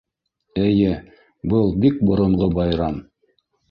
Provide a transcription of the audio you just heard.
Эйе, был бик боронғо байрам.